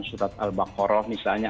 surat al baqarah misalnya